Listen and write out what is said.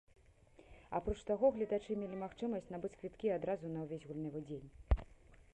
Апроч таго гледачы мелі магчымасць набыць квіткі адразу на ўвесь гульнявы дзень.